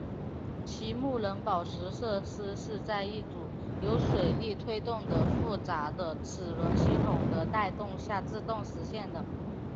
其木人宝石设施是在一组由水力推动的复杂的齿轮系统的带动下自动实现的。